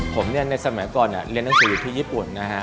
ผมในสมัยก่อนเรียนหนังสืออยู่ที่ญี่ปุ่นนะฮะ